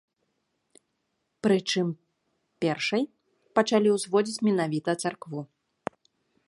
Прычым, першай пачалі ўзводзіць менавіта царкву.